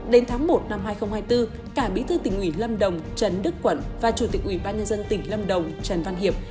đến tháng một năm hai nghìn hai mươi bốn cả bí thư tỉnh ủy lâm đồng trần đức quận và chủ tịch ủy ban nhân dân tỉnh lâm đồng trần văn hiệp